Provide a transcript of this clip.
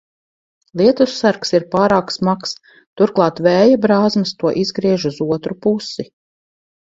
Lietussargs ir pārāk smags, turklāt vēja brāzmas to izgriež uz otru pusi.